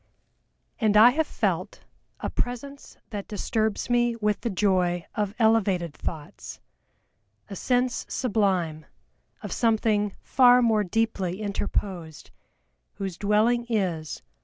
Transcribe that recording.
"And I have felt A Presence that disturbs me with the joy Of elevated thoughts, a sense sublime Of something far more deeply interposed, Whose dwelling is